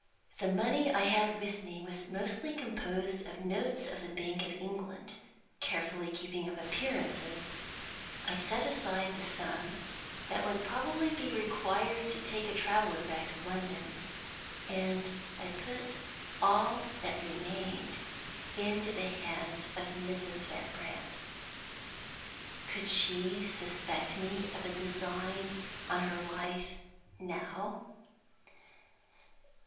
The money I had with me was mostly composed of notes of the Bank of England. Carefully keeping up appearances, I set aside the sum that would probably be required to take a traveler back to London; and I put all that remained into the hands of Mrs. Van Brandt. Could she suspect me of a design on her life now?